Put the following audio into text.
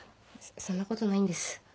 そんなことないんです。